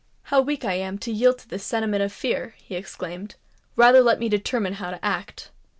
"How weak I am to yield to this sentiment of fear!" he exclaimed. "Rather let me determine how to act."